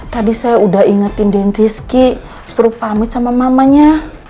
tadi saya udah ingetin den rizky suruh pamit sama mamanya